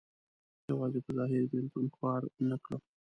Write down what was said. یوازې په ظاهر بېلتون خوار نه کړم.